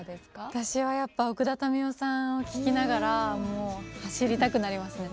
私はやっぱ奥田民生さんを聴きながら走りたくなりますね。